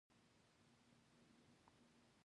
د «مسلمانۍ ټوله دستګاه» له سره ولولي.